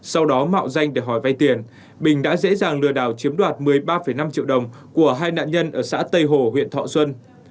sau đó mạo danh để hỏi vay tiền bình đã dễ dàng lừa đảo chiếm đoạt một mươi ba năm triệu đồng của hai nạn nhân ở xã tây hồ huyện thọ xuân